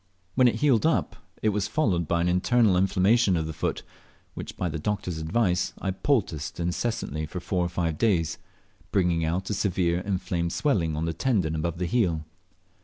When it healed up it was followed by an internal inflammation of the foot, which by the doctor's advice I poulticed incessantly for four or five days, bringing out a severe inflamed swelling on the tendon above the heel.